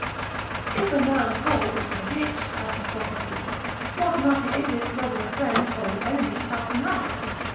If a man fall into a ditch, as he prosecutes it, what matter is it whether a friend or an enemy help him out?